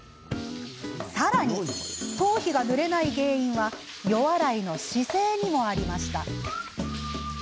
さらに、頭皮がぬれない原因は予洗いの姿勢にもありました。